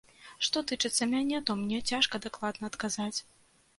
Што тычыцца мяне, то мне цяжка дакладна адказаць.